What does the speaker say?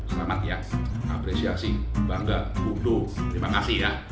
semangat ya apresiasi bangga butuh terima kasih ya